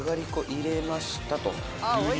入れました」